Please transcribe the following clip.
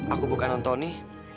aku bukan antoni